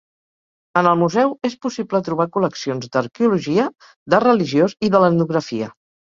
En el museu és possible trobar col·leccions d'arqueologia, d'art religiós i de l'etnografia.